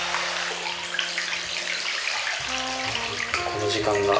この時間が。